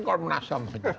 kalau menasam saja